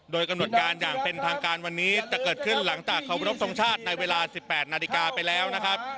โดยกำหนดการอย่างเป็นทางการวันนี้จะเกิดขึ้นหลังจากเคารพทรงชาติในเวลา๑๘นาฬิกาไปแล้วนะครับ